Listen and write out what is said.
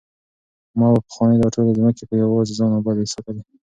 ما به پخوا دا ټولې ځمکې په یوازې ځان ابادې ساتلې.